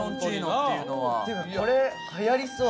っていうかこれはやりそう。